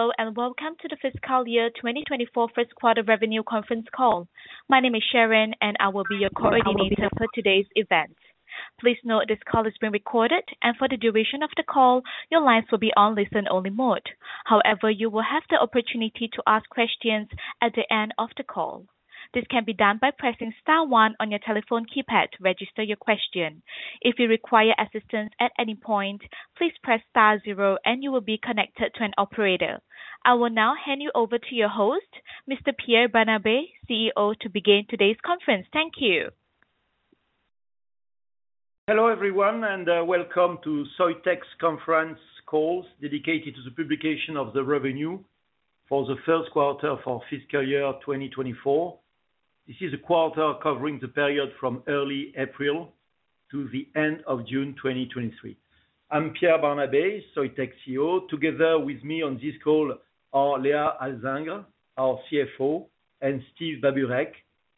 Hello, welcome to the fiscal year 2024 Q1 revenue conference call. My name is Sharon, and I will be your coordinator for today's event. Please note this call is being recorded, and for the duration of the call, your lines will be on listen-only mode. However, you will have the opportunity to ask questions at the end of the call. This can be done by pressing star one on your telephone keypad to register your question. If you require assistance at any point, please press star zero, and you will be connected to an operator. I will now hand you over to your host, Mr. Pierre Barnabé, CEO, to begin today's conference. Thank you. Hello, everyone, welcome to Soitec's conference calls, dedicated to the publication of the revenue for the Q1 for fiscal year 2024. This is a quarter covering the period from early April to the end of June 2023. I'm Pierre Barnabé, Soitec's CEO. Together with me on this call are Léa Alzingre, our CFO, and Steve Babureck,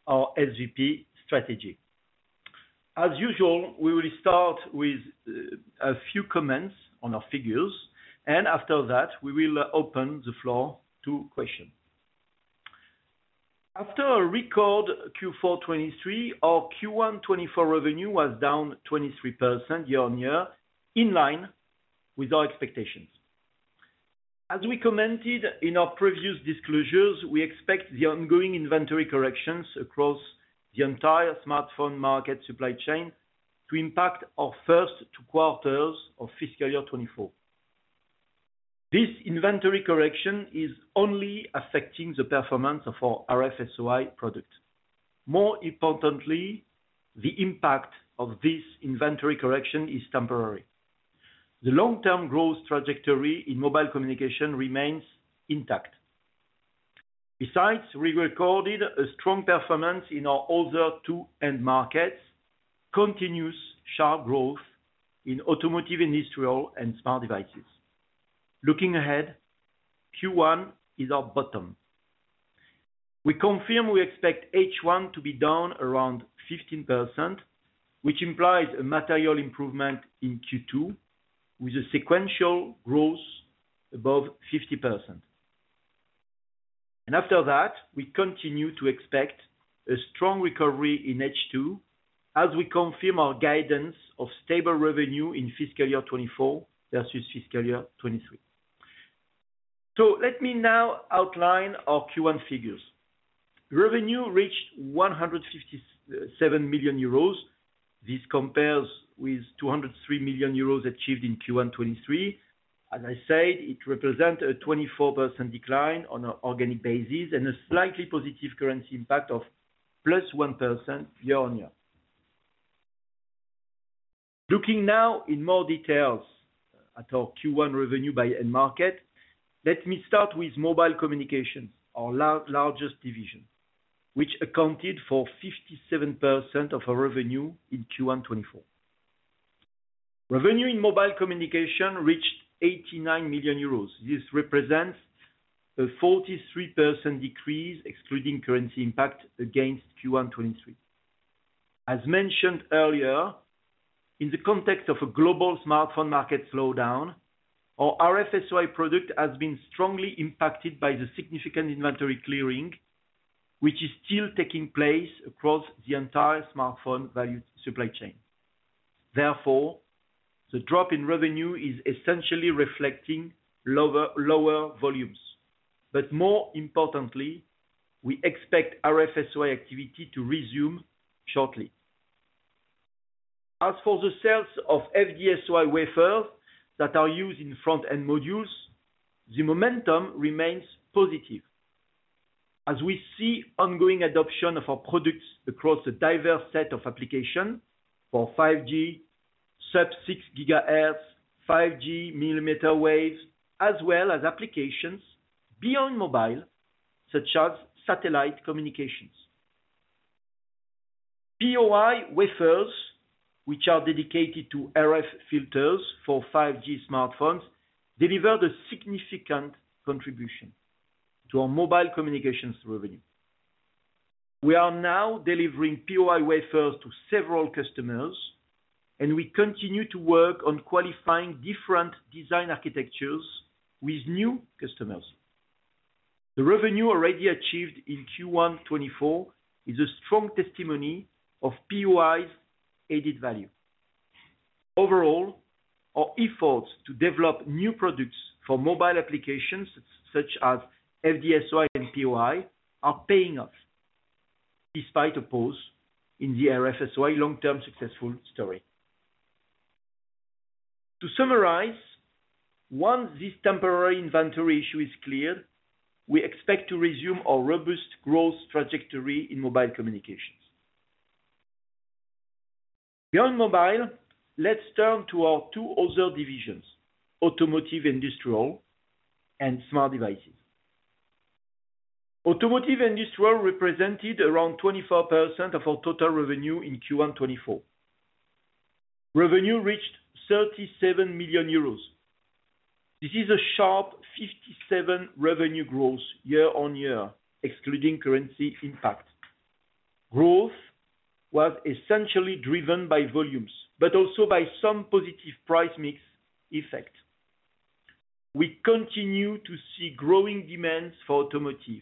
our SVP, Strategy. As usual, we will start with a few comments on our figures, after that, we will open the floor to question. After a record Q4 2023, our Q1 2024 revenue was down 23% year-on-year, in line with our expectations. As we commented in our previous disclosures, we expect the ongoing inventory corrections across the entire smartphone market supply chain to impact our first two quarters of fiscal year 2024. This inventory correction is only affecting the performance of our RF-SOI product. More importantly, the impact of this inventory correction is temporary. The long-term growth trajectory in mobile communication remains intact. We recorded a strong performance in our other two end markets, continuous sharp growth in automotive, industrial, and smart devices. Looking ahead, Q1 is our bottom. We confirm we expect H1 to be down around 15%, which implies a material improvement in Q2 with a sequential growth above 50%. After that, we continue to expect a strong recovery in H2, as we confirm our guidance of stable revenue in fiscal year 2024 versus fiscal year 2023. Let me now outline our Q1 figures. Revenue reached 157 million euros. This compares with 203 million euros achieved in Q1 2023. As I said, it represent a 24% decline on an organic basis and a slightly positive currency impact of +1% year-on-year. Looking now in more details at our Q1 revenue by end market, let me start with mobile communication, our largest division, which accounted for 57% of our revenue in Q1 2024. Revenue in mobile communication reached 89 million euros. This represents a 43% decrease, excluding currency impact, against Q1 2023. As mentioned earlier, in the context of a global smartphone market slowdown, our RF-SOI product has been strongly impacted by the significant inventory clearing, which is still taking place across the entire smartphone value supply chain. Therefore, the drop in revenue is essentially reflecting lower volumes, but more importantly, we expect RF-SOI activity to resume shortly. As for the sales of FD-SOI wafer that are used in front-end modules, the momentum remains positive. As we see ongoing adoption of our products across a diverse set of application for 5G, sub-6 GHz, 5G millimeter waves, as well as applications beyond mobile, such as satellite communications. POI wafers, which are dedicated to RF filters for 5G smartphones, delivered a significant contribution to our mobile communications revenue. We are now delivering POI wafers to several customers, and we continue to work on qualifying different design architectures with new customers. The revenue already achieved in Q1 2024 is a strong testimony of POI's added value. Overall, our efforts to develop new products for mobile applications, such as FD-SOI and POI, are paying off despite a pause in the RF-SOI long-term successful story. To summarize, once this temporary inventory issue is cleared, we expect to resume our robust growth trajectory in mobile communications. Beyond mobile, let's turn to our two other divisions, automotive, industrial, and smart devices. Automotive, industrial represented around 24% of our total revenue in Q1 2024. Revenue reached 37 million euros. This is a sharp 57% revenue growth year-on-year, excluding currency impact. Growth was essentially driven by volumes, also by some positive price mix effect. We continue to see growing demands for automotive,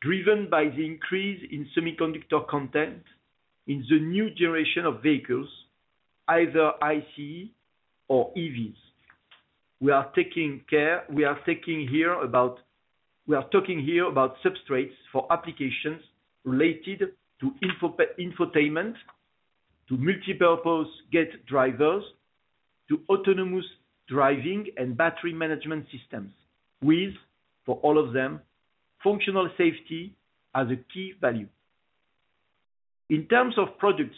driven by the increase in semiconductor content in the new generation of vehicles, either ICE or EVs. We are talking here about substrates for applications related to infotainment, to multipurpose gate drivers, to autonomous driving and battery management systems, with, for all of them, functional safety as a key value. In terms of products,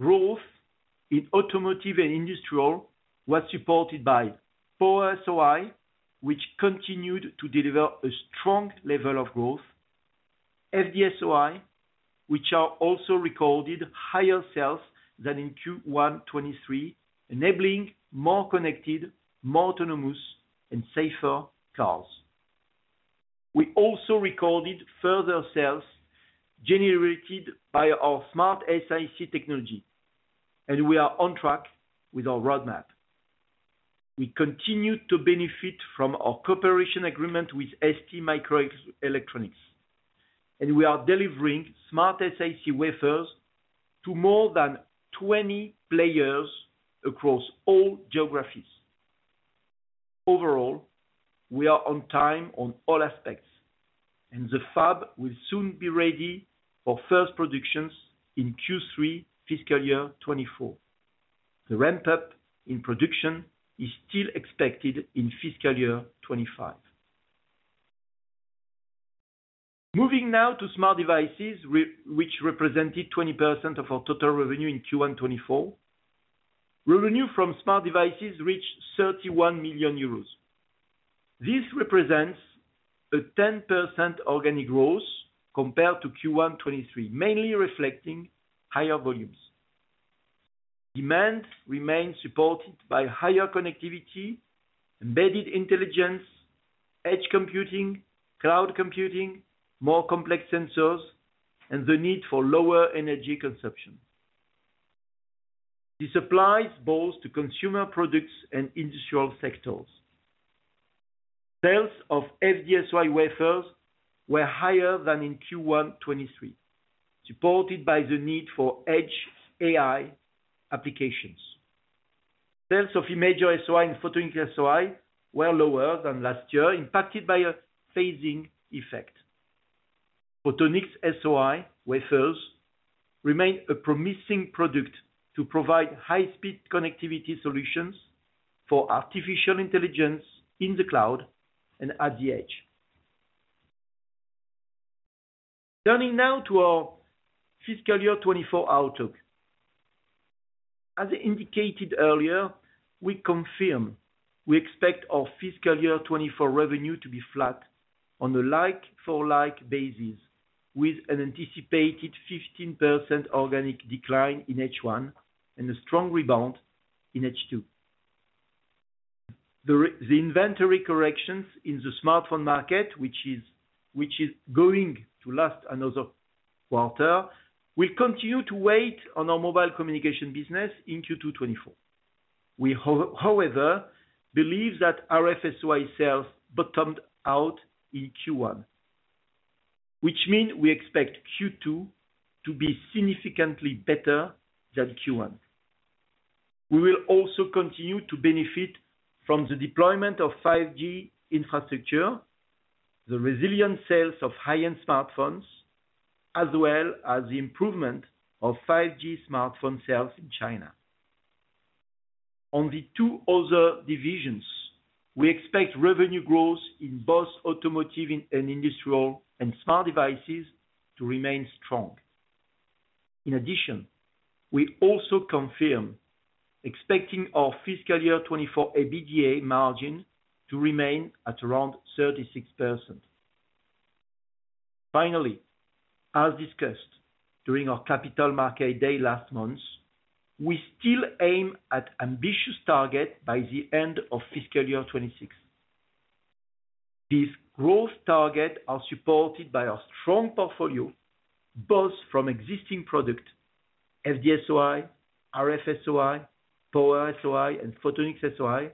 growth in automotive and industrial was supported by Power-SOI, which continued to deliver a strong level of growth. FD-SOI, which also recorded higher sales than in Q1 2023, enabling more connected, more autonomous, and safer cars. We also recorded further sales generated by our SmartSiC technology. We are on track with our roadmap. We continue to benefit from our cooperation agreement with STMicroelectronics. We are delivering SmartSiC wafers to more than 20 players across all geographies. Overall, we are on time on all aspects. The fab will soon be ready for first productions in Q3 fiscal year 2024. The ramp-up in production is still expected in fiscal year 2025. Moving now to smart devices, which represented 20% of our total revenue in Q1 2024. Revenue from smart devices reached 31 million euros. This represents a 10% organic growth compared to Q1 2023, mainly reflecting higher volumes. Demand remains supported by higher connectivity, embedded intelligence, edge computing, cloud computing, more complex sensors, and the need for lower energy consumption. This applies both to consumer products and industrial sectors. Sales of FD-SOI wafers were higher than in Q1 2023, supported by the need for edge AI applications. Sales of Imager-SOI and Photonics-SOI were lower than last year, impacted by a phasing effect. Photonics-SOI wafers remain a promising product to provide high-speed connectivity solutions for artificial intelligence in the cloud and at the edge. Turning now to our fiscal year 2024 outlook. As indicated earlier, we confirm, we expect our fiscal year 2024 revenue to be flat on a like-for-like basis, with an anticipated 15% organic decline in H1 and a strong rebound in H2. The inventory corrections in the smartphone market, which is going to last another quarter, will continue to wait on our mobile communication business in Q2 2024. We however, believe that RF-SOI sales bottomed out in Q1, which means we expect Q2 to be significantly better than Q1. We will also continue to benefit from the deployment of 5G infrastructure, the resilient sales of high-end smartphones, as well as the improvement of 5G smartphone sales in China. On the two other divisions, we expect revenue growth in both automotive and industrial and smart devices to remain strong. In addition, we also confirm expecting our fiscal year 2024 EBITDA margin to remain at around 36%. Finally, as discussed during our Capital Markets Day last month, we still aim at ambitious target by the end of fiscal year 2026. These growth target are supported by our strong portfolio, both from existing product, FD-SOI, RF-SOI, Power-SOI, and Photonics-SOI,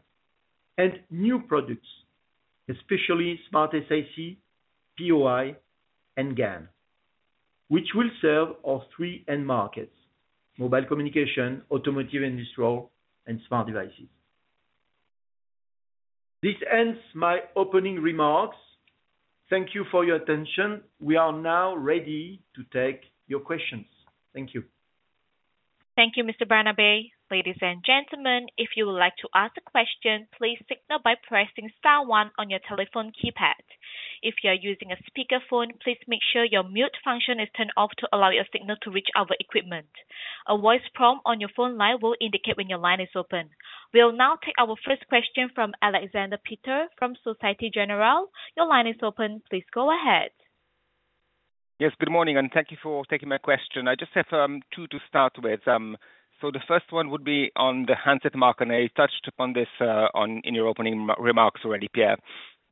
and new products, especially SmartSiC, POI, and GaN, which will serve our three end markets: mobile communication, automotive, industrial, and smart devices. This ends my opening remarks. Thank you for your attention. We are now ready to take your questions. Thank you. Thank you, Mr. Barnabé. Ladies and gentlemen, if you would like to ask a question, please signal by pressing star one on your telephone keypad. If you are using a speakerphone, please make sure your mute function is turned off to allow your signal to reach our equipment. A voice prompt on your phone line will indicate when your line is open. We'll now take our first question from Aleksander Peterc, from Societe Generale. Your line is open. Please go ahead. Yes, good morning, and thank you for taking my question. I just have two to start with. The first one would be on the handset market, and you touched upon this on in your opening remarks already, Pierre.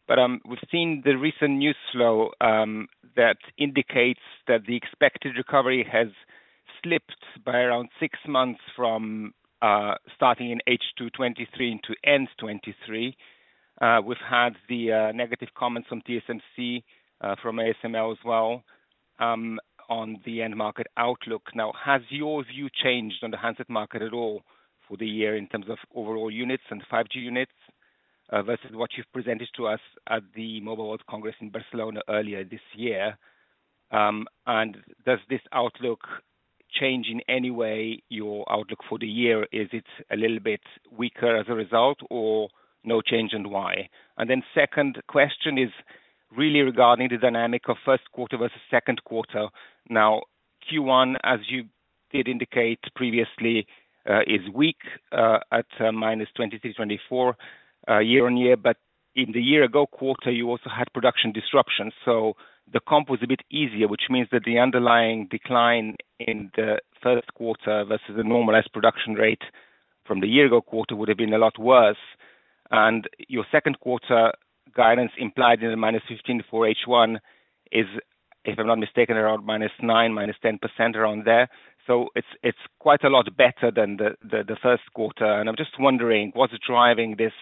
We've seen the recent news flow that indicates that the expected recovery has slipped by around six months from starting in H2 2023 into end 2023. We've had the negative comments from TSMC, from ASML as well, on the end market outlook. Now, has your view changed on the handset market at all for the year in terms of overall units and 5G units versus what you've presented to us at the Mobile World Congress in Barcelona earlier this year? Does this outlook change in any way, your outlook for the year? Is it a little bit weaker as a result, or no change, and why? Second question is really regarding the dynamic of Q1 versus Q2. Now, Q1, as you did indicate previously, is weak at -23% to -24% year-on-year. In the year ago quarter, you also had production disruptions, so the comp was a bit easier, which means that the underlying decline in the Q1 versus the normalized production rate from the year ago quarter would've been a lot worse. Your Q2 guidance implied in the -15% to -4% H1 is, if I'm not mistaken, around -9% to -10%, around there. It's quite a lot better than the Q1, and I'm just wondering, what's driving this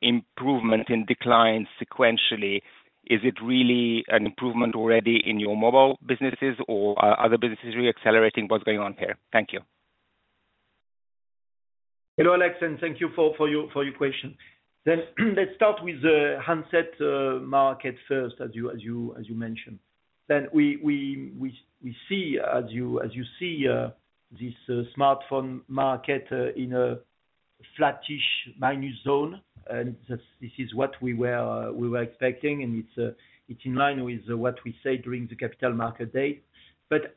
improvement in decline sequentially? Is it really an improvement already in your mobile businesses or are other businesses really accelerating? What's going on here? Thank you. Hello, Alex, thank you for your question. Let's start with the handset market first, as you mentioned. We see, as you see, this smartphone market in a flattish minus zone. This is what we were expecting. It's in line with what we said during the Capital Markets Day.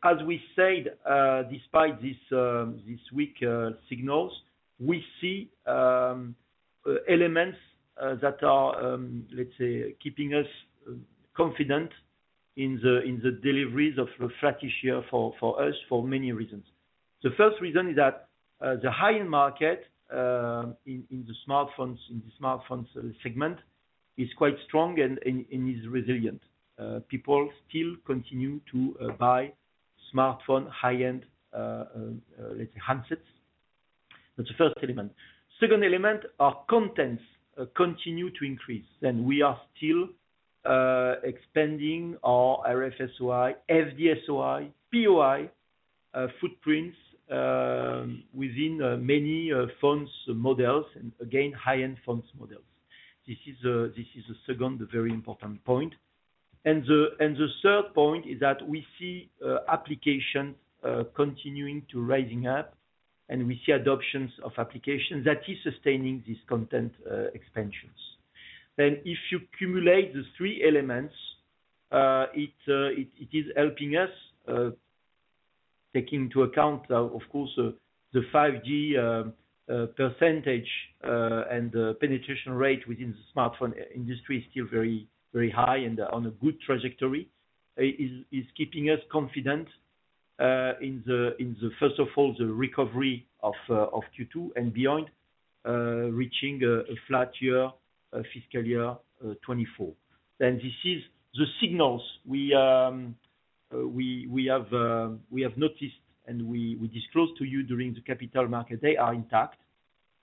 As we said, despite this weak signals, we see elements that are, let's say, keeping us confident in the deliveries of a flattish year for us, for many reasons. The first reason is that the high-end market in the smartphones segment is quite strong and is resilient. People still continue to buy smartphone, high-end, let's say handsets. That's the first element. Second element, are contents continue to increase, and we are still expanding our RFSOI, FDSOI, POI footprints within many phones models, and again, high-end phones models. This is the second, the very important point. The third point is that we see applications continuing to rising up, and we see adoptions of applications that is sustaining these content expansions. If you cumulate the three elements, it is helping us. Taking into account, of course, the 5G and the penetration rate within the smartphone industry is still very, very high and on a good trajectory, it is keeping us confident in the first of all, the recovery of Q2 and beyond, reaching a flat fiscal year 2024. This is the signals we have noticed, and we disclose to you during the Capital Market. They are intact,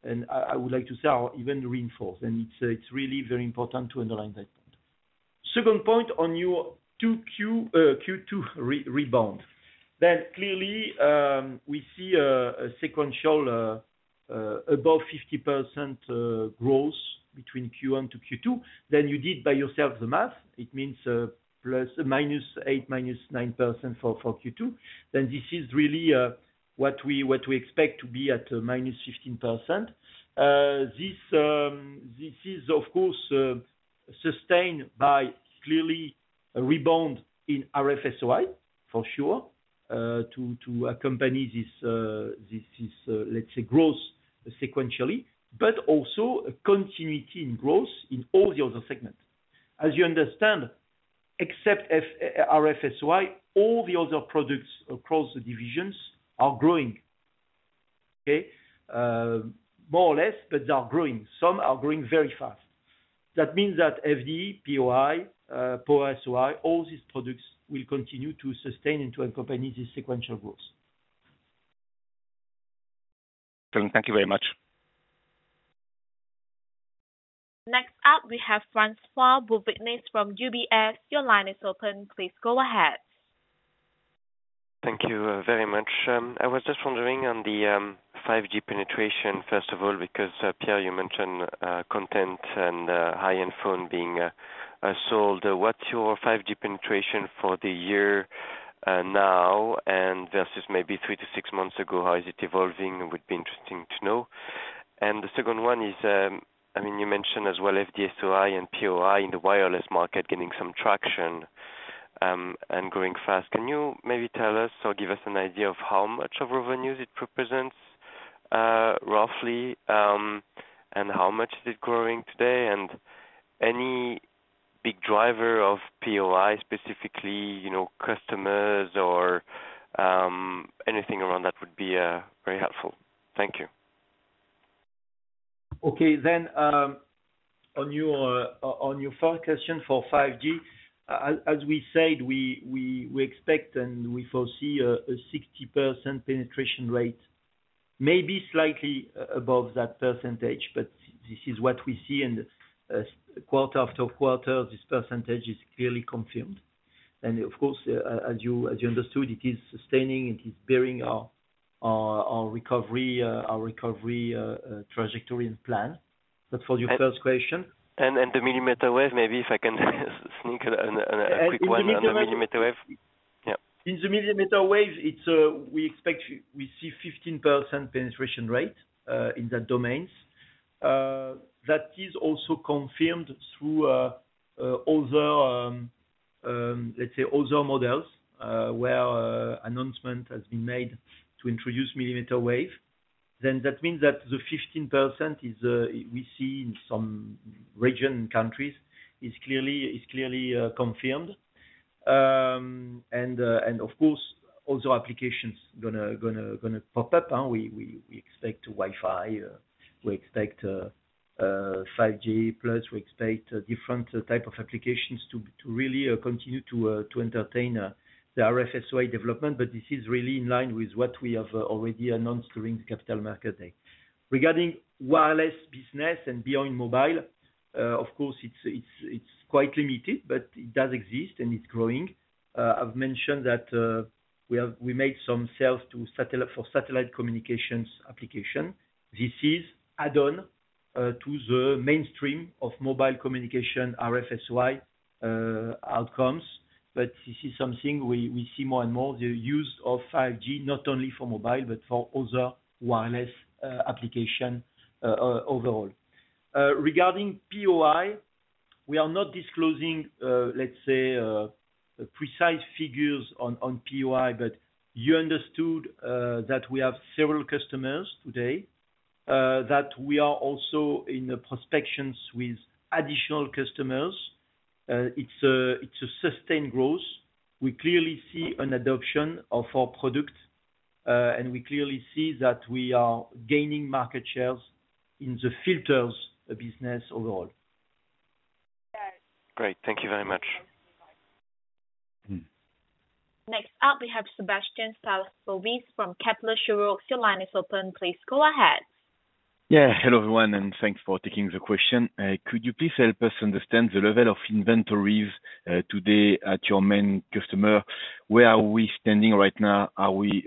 and I would like to say, even reinforced, and it's really very important to underline that point. Second point on your Q2 rebound. Clearly, we see a sequential, above 50%, growth between Q1 to Q2. You did by yourself the math, it means, ±8, -9% for Q2. This is really, what we expect to be at -15%. This is, of course, sustained by clearly a rebound in RF-SOI, for sure, to accompany this, let's say, growth sequentially, but also a continuity in growth in all the other segments. As you understand, except RF-SOI, all the other products across the divisions are growing. Okay? More or less, but they are growing. Some are growing very fast. That means that FD, POI, Power-SOI, all these products will continue to sustain and to accompany the sequential growth. Thank you very much. Next up, we have François-Xavier Bouvignies from UBS. Your line is open. Please go ahead. Thank you, very much. I was just wondering on the 5G penetration, first of all, because Pierre, you mentioned content and high-end phone being sold. What's your 5G penetration for the year, now and versus maybe 3 to 6 months ago? How is it evolving? It would be interesting to know. The second one is, I mean, you mentioned as well, FD-SOI and POI in the wireless market getting some traction and growing fast. Can you maybe tell us or give us an idea of how much of revenues it represents, roughly? How much is it growing today, big driver of POI, specifically, you know, customers or anything around that would be very helpful. Thank you. Okay. On your third question for 5G, as we said, we expect, and we foresee a 60% penetration rate, maybe slightly above that percentage, but this is what we see. Quarter after quarter, this percentage is clearly confirmed. Of course, as you understood, it is sustaining, it is bearing our recovery trajectory and plan. For your first question? The millimeter wave, maybe if I can sneak in a quick one on the millimeter wave. In the millimeter wave. Yeah. In the millimeter wave, it's, we expect we see 15% penetration rate in the domains. That is also confirmed through other, let's say other models, where announcement has been made to introduce millimeter wave. That means that the 15% is, we see in some region countries is clearly confirmed. Of course, other applications gonna pop up, and we expect Wi-Fi. We expect 5G plus. We expect different type of applications to really continue to entertain the RF-SOI development, but this is really in line with what we have already announced during the Capital Markets Day. Regarding wireless business and beyond mobile, of course, it's quite limited, but it does exist, and it's growing. I've mentioned that we made some sales for satellite communications application. This is add-on to the mainstream of mobile communication RF-SOI outcomes. This is something we see more and more, the use of 5G, not only for mobile, but for other wireless application overall. Regarding POI, we are not disclosing, let's say, precise figures on POI, but you understood that we have several customers today that we are also in the prospections with additional customers. It's a sustained growth. We clearly see an adoption of our product, and we clearly see that we are gaining market shares in the filters business overall. Great. Thank you very much. Mm. Next up, we have Sébastien Sztabowicz from Kepler Cheuvreux. Your line is open. Please go ahead. Hello, everyone, and thanks for taking the question. Could you please help us understand the level of inventories today at your main customer? Where are we standing right now? Are we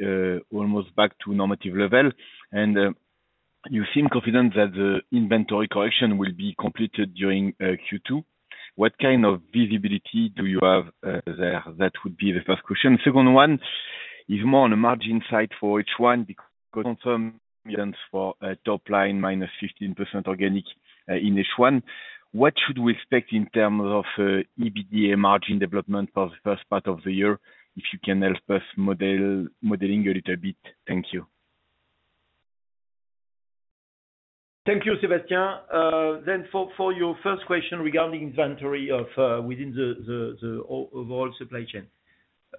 almost back to normative level? You seem confident that the inventory correction will be completed during Q2. What kind of visibility do you have there? That would be the first question. Second one is more on the margin side for each one, because for top line, -15% organic in H1. What should we expect in terms of EBITDA margin development for the first part of the year, if you can help us modeling a little bit? Thank you. Thank you, Sebastian. For your first question regarding inventory within the overall supply chain.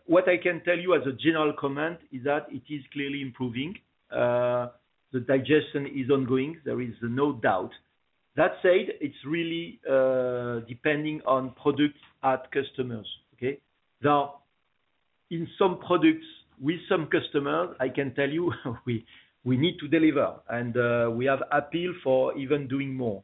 What I can tell you as a general comment, is that it is clearly improving. The digestion is ongoing, there is no doubt. That said, it's really depending on products at customers, okay? In some products with some customers, I can tell you, we need to deliver, and we have appeal for even doing more.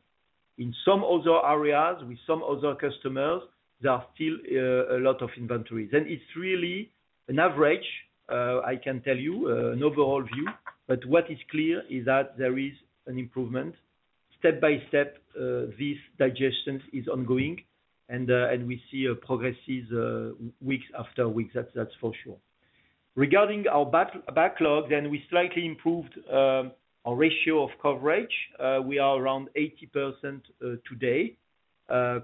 In some other areas, with some other customers, there are still a lot of inventories. It's really an average, I can tell you, an overall view, but what is clear is that there is an improvement. Step by step, this digestion is ongoing and we see progresses weeks after weeks, that's for sure. Regarding our backlog, we slightly improved our ratio of coverage. We are around 80% today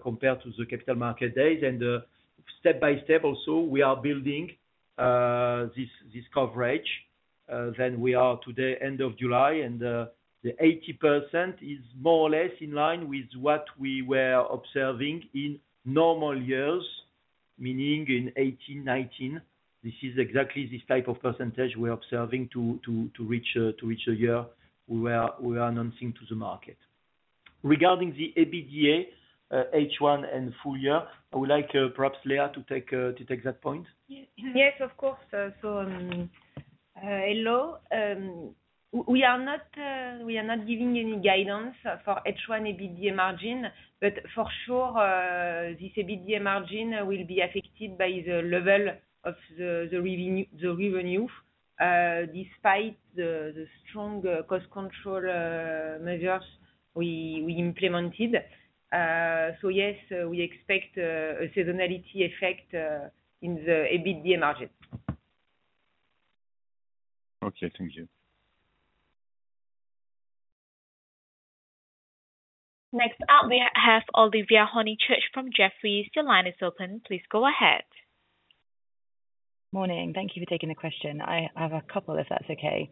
compared to the Capital Markets Days. Step by step also, we are building this coverage than we are today, end of July. The 80% is more or less in line with what we were observing in normal years, meaning in 18, 19. This is exactly this type of percentage we're observing to reach a year. We are announcing to the market. Regarding the EBITDA, H1 and full year, I would like perhaps Léa to take that point. Yes, of course. We are not giving any guidance for H1 EBITDA margin. For sure, this EBITDA margin will be affected by the level of the revenue, despite the strong cost control measures we implemented. We expect a seasonality effect in the EBITDA margin. Okay, thank you. Next up, we have Olivia Honychurch from Jefferies. Your line is open. Please go ahead. Morning. Thank you for taking the question. I have a couple, if that's okay.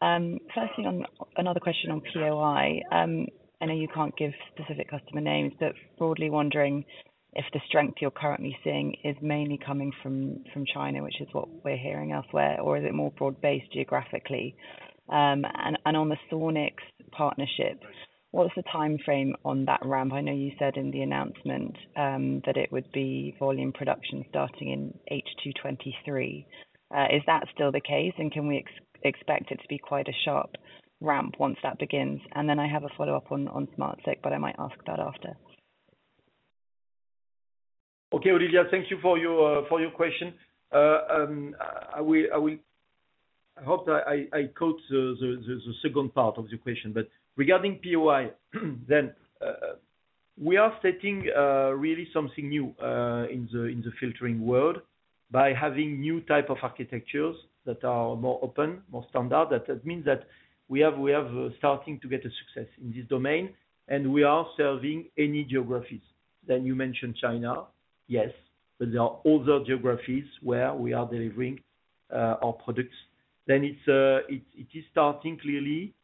Firstly, on another question on POI. I know you can't give specific customer names, but broadly wondering if the strength you're currently seeing is mainly coming from China, which is what we're hearing elsewhere, or is it more broad-based geographically? On the Sonics partnership, what is the timeframe on that ramp? I know you said in the announcement, that it would be volume production starting in H2 2023. Is that still the case, and can we expect it to be quite a sharp ramp once that begins? I have a follow-up on SmartSiC, but I might ask that after. Okay, Olivia, thank you for your for your question. I hope that I caught the second part of the question, regarding POI, then, we are setting really something new in the filtering world by having new type of architectures that are more open, more standard. That means that we have starting to get a success in this domain, we are serving any geographies. You mentioned China. Yes, there are other geographies where we are delivering our products. It is starting clearly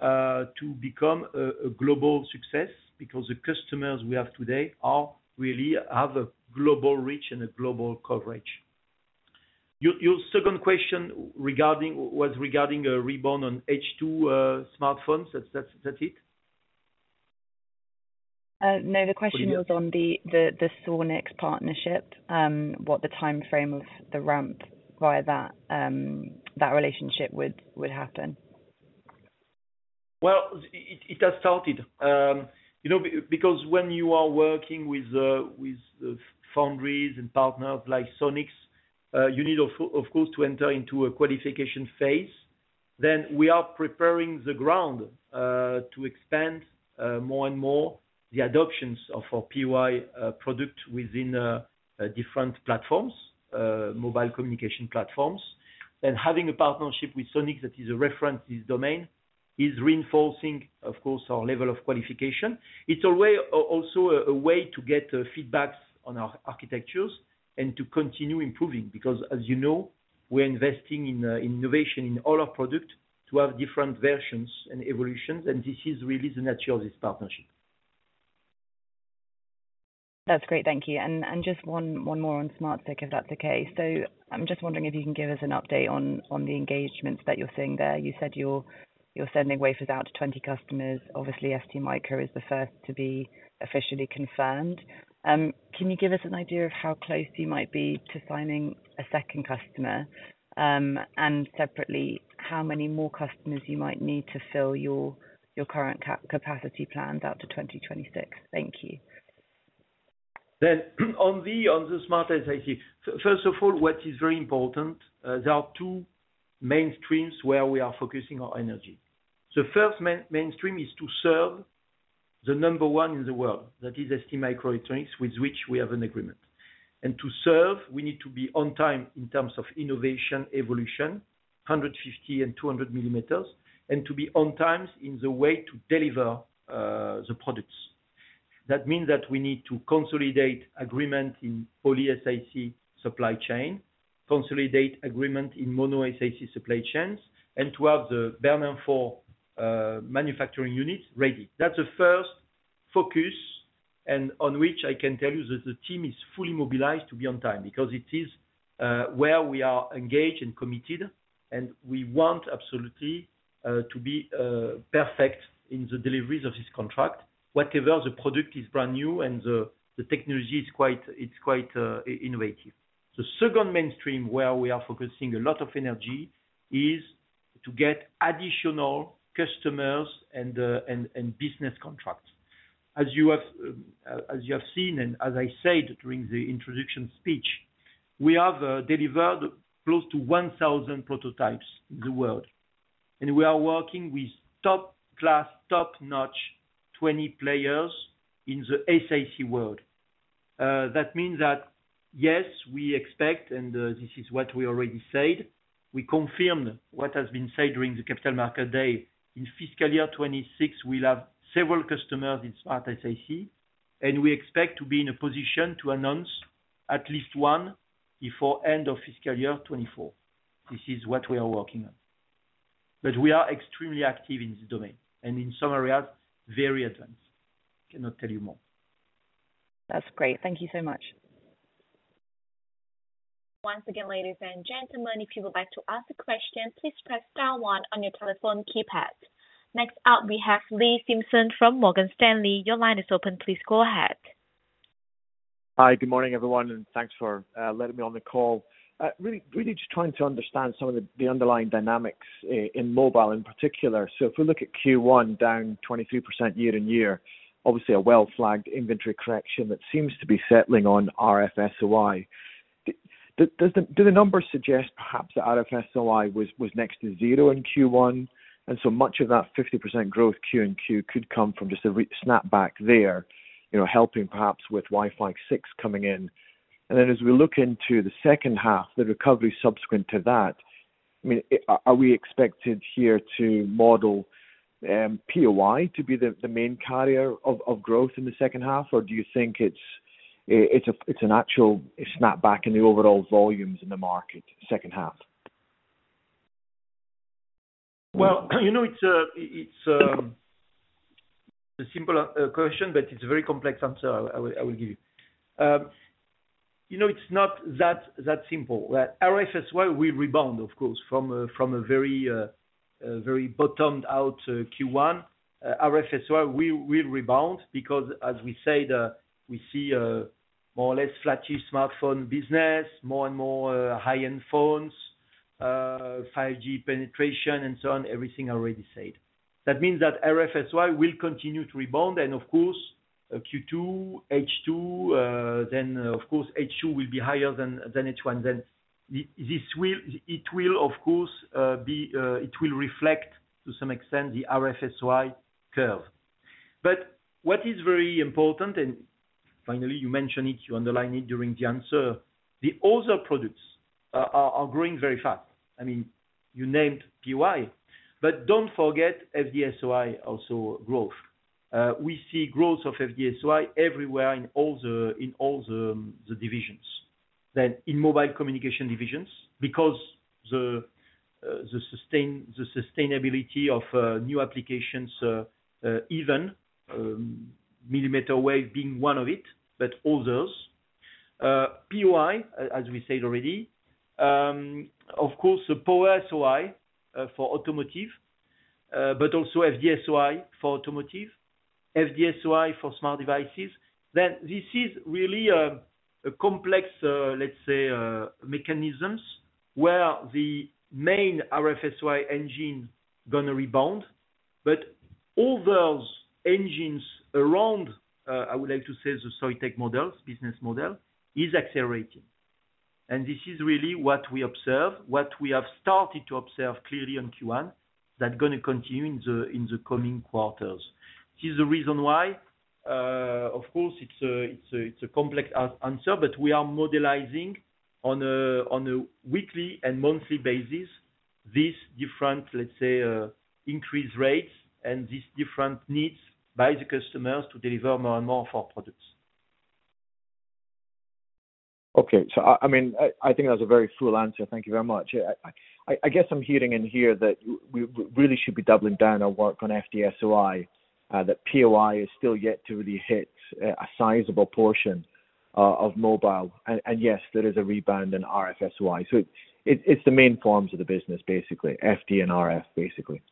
to become a global success because the customers we have today are really have a global reach and a global coverage. Your second question was regarding a rebound on H-2 smartphones. That's it? no. Okay. The question was on the Sonics partnership, what the timeframe of the ramp via that relationship would happen. Well, it has started. You know, because when you are working with foundries and partners like Sonics, you need of course to enter into a qualification phase. We are preparing the ground to expand more and more the adoptions of our POI product within different platforms, mobile communication platforms. Having a partnership with Sonics, that is a reference in this domain, is reinforcing, of course, our level of qualification. It's a way also a way to get feedbacks on our architectures and to continue improving, because as you know, we're investing in innovation in all our product to have different versions and evolutions, and this is really the nature of this partnership. That's great. Thank you. Just one more on SmartSiC, if that's the case. I'm just wondering if you can give us an update on the engagements that you're seeing there. You said you're sending wafers out to 20 customers. Obviously, STMicro is the first to be officially confirmed. Can you give us an idea of how close you might be to signing a second customer? Separately, how many more customers you might need to fill your current capacity plans out to 2026? Thank you. On the SmartSiC, first of all, what is very important, there are two mainstreams where we are focusing our energy. The first mainstream is to serve the number one in the world, that is STMicroelectronics, with which we have an agreement. To serve, we need to be on time in terms of innovation, evolution, 150 and 200 mm, and to be on time in the way to deliver the products. That means that we need to consolidate agreement in poly-SiC supply chain, consolidate agreement in mono-SiC supply chains, and to have the BERNINA 4 manufacturing units ready. That's the first focus. On which I can tell you that the team is fully mobilized to be on time, because it is where we are engaged and committed. We want absolutely to be perfect in the deliveries of this contract, whatever the product is brand new and the technology is quite innovative. The second mainstream, where we are focusing a lot of energy, is to get additional customers and business contracts. As you have seen, as I said during the introduction speech, we have delivered close to 1,000 prototypes in the world. We are working with top-class, top-notch 20 players in the SIC world. That means that yes, we expect, and this is what we already said, we confirm what has been said during the Capital Markets Day. In fiscal year 2026, we'll have several customers in SmartSiC, and we expect to be in a position to announce at least one before end of fiscal year 2024. This is what we are working on, but we are extremely active in this domain and in some areas, very advanced. Cannot tell you more. That's great. Thank you so much. Once again, ladies and gentlemen, if you would like to ask a question, please press star one on your telephone keypad. Next up, we have Lee Simpson from Morgan Stanley. Your line is open. Please go ahead. Hi, good morning, everyone, thanks for letting me on the call. Really just trying to understand some of the underlying dynamics in mobile in particular. If we look at Q1, down 23% year-on-year, obviously a well-flagged inventory correction that seems to be settling on RF-SOI. Do the numbers suggest perhaps that RF-SOI was next to zero in Q1, and so much of that 50% growth Q and Q could come from just a snapback there, you know, helping perhaps with Wi-Fi 6 coming in? As we look into the second half, the recovery subsequent to that, I mean, are we expected here to model POI to be the main carrier of growth in the second half? Do you think it's an actual snap back in the overall volumes in the market second half? You know, it's a simple question, but it's a very complex answer I will give you. You know, it's not that simple. RF-SOI will rebound, of course, from a very bottomed out Q1. RF-SOI will rebound because as we said, we see a more or less flattish smartphone business, more and more high-end phones, 5G penetration, and so on, everything I already said. That means that RF-SOI will continue to rebound, and of course, Q2, H2, then, of course, H2 will be higher than H1. It will, of course, be, it will reflect, to some extent, the RF-SOI curve. What is very important, and finally, you mentioned it, you underline it during the answer, the other products are growing very fast. I mean, you named POI, but don't forget FD-SOI also growth. We see growth of FD-SOI everywhere in all the divisions. In mobile communication divisions, because the sustainability of new applications, even millimeter wave being one of it, but others. POI, as we said already, of course, the Power-SOI for automotive, but also FD-SOI for automotive, FD-SOI for smart devices. This is really a complex, let's say, mechanisms, where the main RF-SOI engine gonna rebound. All those engines around, I would like to say, the Soitec models, business model, is accelerating. This is really what we observe, what we have started to observe clearly on Q1, that gonna continue in the coming quarters. This is the reason why, of course, it's a complex answer, but we are modelizing on a weekly and monthly basis, these different, let's say, increased rates and these different needs by the customers to deliver more and more of our products. Okay. I mean, I think that was a very full answer. Thank you very much. Yeah, I, I guess I'm hearing in here that we really should be doubling down on work on FD-SOI, that POI is still yet to really hit a sizable portion of mobile. Yes, there is a rebound in RF-SOI. It's the main forms of the business, basically. FD and RF, basically.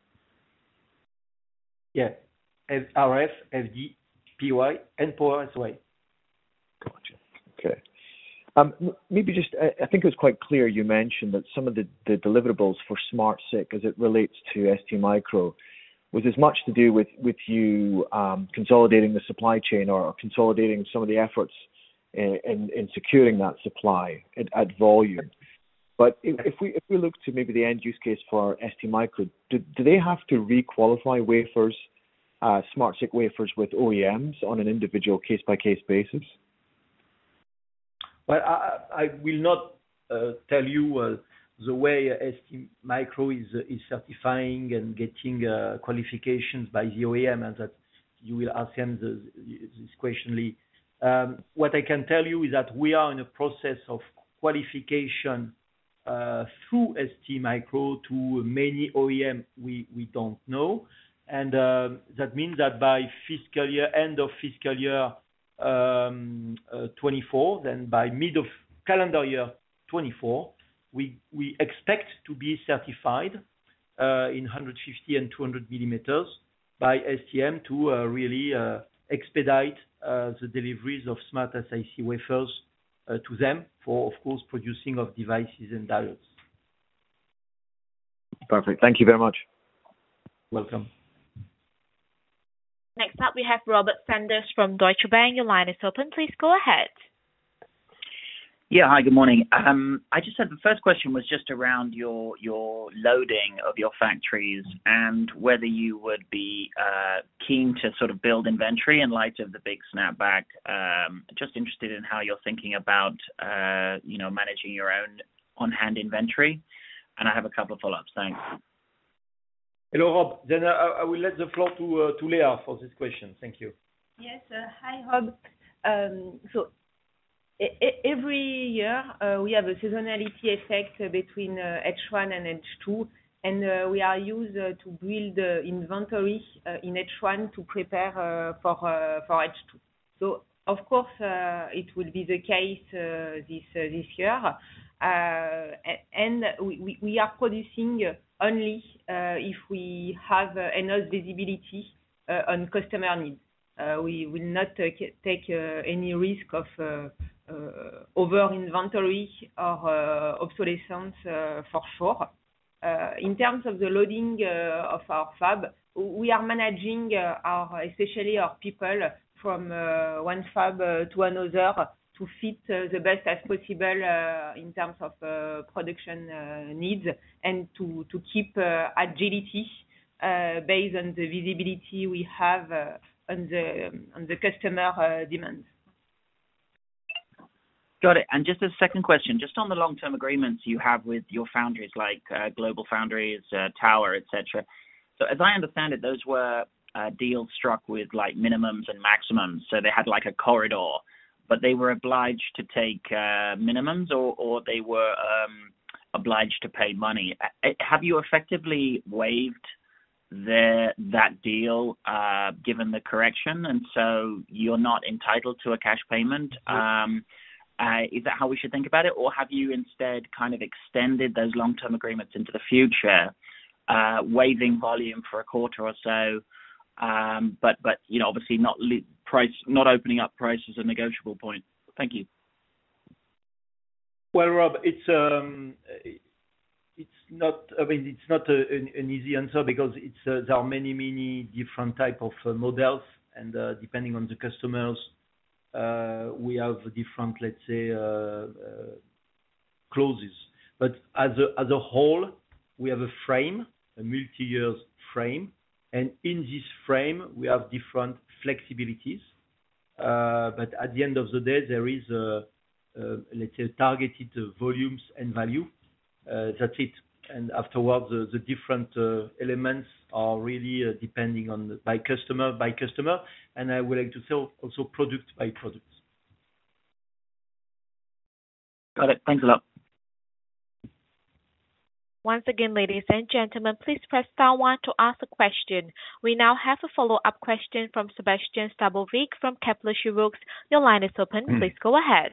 Yeah. It's RF, FD, POI, and Power-SOI. Gotcha. Okay. Maybe just... I think it was quite clear, you mentioned that some of the deliverables for SmartSiC, as it relates to STMicro, was as much to do with you, consolidating the supply chain or consolidating some of the efforts in securing that supply at volume. If we look to maybe the end use case for STMicro, do they have to re-qualify wafers, SmartSiC wafers with OEMs on an individual case-by-case basis? Well, I will not tell you the way STMicro is certifying and getting qualifications by the OEM. That you will ask them this question, Lee. What I can tell you is that we are in a process of qualification through STMicro to many OEM we don't know, and that means that by fiscal year, end of fiscal year 2024, then by mid of calendar year 2024, we expect to be certified in 150 and 200 mm by STM to really expedite the deliveries of SmartSiC wafers to them for, of course, producing of devices and diodes. Perfect. Thank you very much. Welcome. Next up, we have Robert Sanders from Deutsche Bank. Your line is open. Please go ahead. Yeah. Hi, good morning. I just had the first question was just around your loading of your factories and whether you would be keen to sort of build inventory in light of the big snapback. Just interested in how you're thinking about, you know, managing your own on-hand inventory, and I have a couple follow-ups. Thanks. Hello, Rob. I will let the floor to Léa for this question. Thank you. Yes. Hi, Rob. Every year, we have a seasonality effect between H1 and H2, and we are used to build the inventory in H1 to prepare for H2. Of course, it will be the case this year. We are producing only if we have enough visibility on customer needs. We will not take any risk of over inventory or obsolescence for sure. In terms of the loading of our fab, we are managing our, especially our people from one fab to another, to fit the best as possible in terms of production needs and to keep agility based on the visibility we have on the customer demands. ... Got it. Just a second question, just on the long-term agreements you have with your foundries, like, GlobalFoundries, Tower, et cetera. As I understand it, those were, deals struck with, like, minimums and maximums, so they had like a corridor, but they were obliged to take, minimums or they were, obliged to pay money. Have you effectively waived the, that deal, given the correction, and so you're not entitled to a cash payment? Is that how we should think about it, or have you instead kind of extended those long-term agreements into the future, waiving volume for a quarter or so, but, you know, obviously not price, not opening up price as a negotiable point? Thank you. Well, Rob, I mean, it's not an easy answer because there are many, many different type of models, and depending on the customers, we have different, let's say, clauses. As a whole, we have a frame, a multi-years frame, and in this frame, we have different flexibilities. At the end of the day, there is a, let's say, targeted volumes and value. That's it. Afterwards, the different elements are really depending on by customer, by customer, and I would like to say also product by product. Got it. Thanks a lot. Once again, ladies and gentlemen, please press star one to ask a question. We now have a follow-up question from Sébastien Sztabowicz from Kepler Cheuvreux. Your line is open. Please go ahead.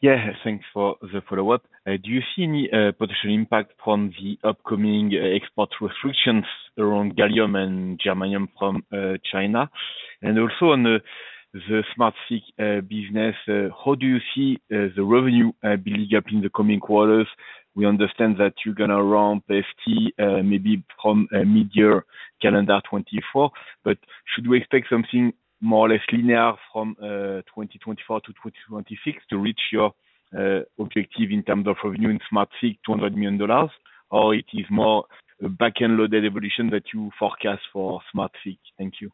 Yeah. Thanks for the follow-up. Do you see any potential impact from the upcoming export restrictions around gallium and germanium from China? Also on the SmartSiC business, how do you see the revenue build up in the coming quarters? We understand that you're gonna ramp FT maybe from mid-year calendar 2024, but should we expect something more or less linear from 2024 to 2026 to reach your objective in terms of revenue in SmartSiC, $200 million, or it is more backend loaded evolution that you forecast for SmartSiC? Thank you.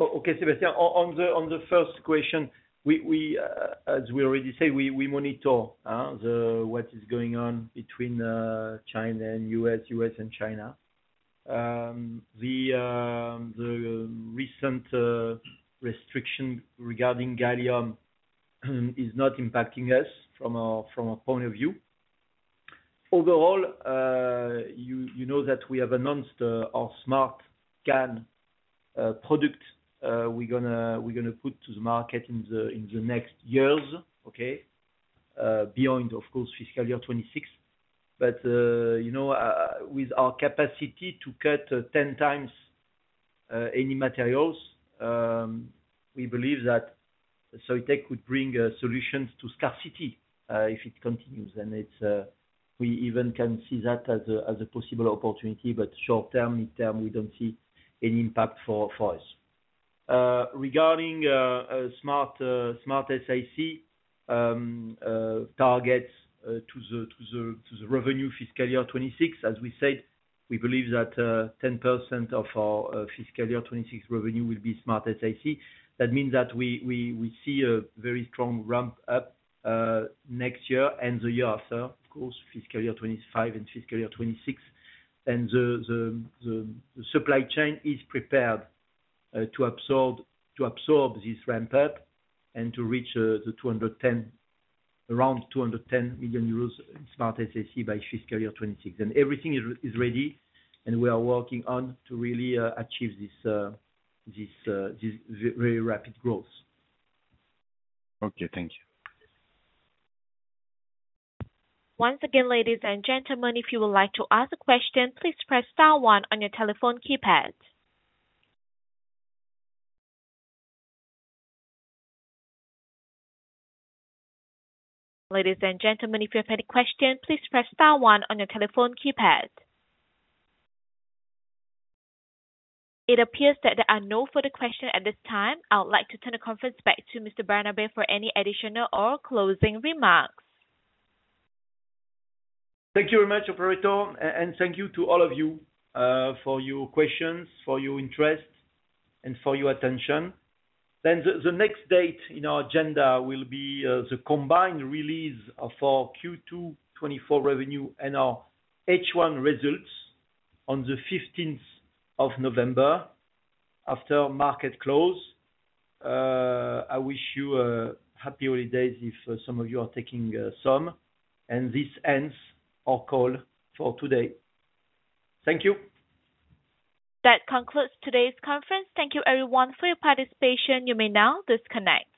Okay, Sébastien. On the first question, we, as we already said, we monitor what is going on between China and U.S., U.S. and China. The recent restriction regarding gallium is not impacting us from a point of view. Overall, you know that we have announced our SmartGaN product we're gonna put to the market in the next years, okay? Beyond, of course, fiscal year 2026. You know, with our capacity to cut 10 times any materials, we believe that Soitec could bring solutions to scarcity if it continues. It's, we even can see that as a possible opportunity, but short-term, long-term, we don't see any impact for us. Uh, regarding, uh, uh, Smart, uh, SmartSIC, um, uh, targets, uh, to the, to the, to the revenue fiscal year 2026, as we said, we believe that, uh, 10% of our, uh, fiscal year 2026 revenue will be SmartSIC. That means that we, we, we see a very strong ramp up, uh, next year and the year after, of course, fiscal year 2025 and fiscal year 2026. And the, the, the, the supply chain is prepared, uh, to absorb, to absorb this ramp up and to reach, uh, the 210, around 210 million euros in SmartSIC by fiscal year 2026. And everything is, is ready, and we are working on to really, uh, achieve this, uh, this, uh, this v- very rapid growth. Okay, thank you. Once again, ladies and gentlemen, if you would like to ask a question, please press star one on your telephone keypad. Ladies and gentlemen, if you have any question, please press star one on your telephone keypad. It appears that there are no further question at this time. I would like to turn the conference back to Mr. Barnabé for any additional or closing remarks. Thank you very much, operator, and thank you to all of you, for your questions, for your interest, and for your attention. The next date in our agenda will be the combined release for Q2 2024 revenue and our H1 results on the 15 November 2024, after market close. I wish you a happy holidays if some of you are taking some, and this ends our call for today. Thank you. That concludes today's conference. Thank you everyone for your participation. You may now disconnect.